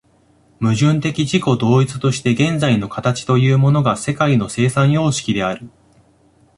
矛盾的自己同一として現在の形というものが世界の生産様式である。